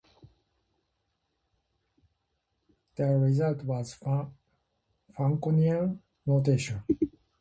The result was Franconian notation.